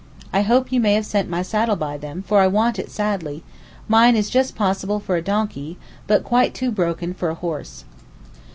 I hope you may have sent my saddle by them, for I want it sadly—mine is just possible for a donkey, but quite too broken for a horse.